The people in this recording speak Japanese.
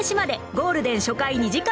ゴールデン初回２時間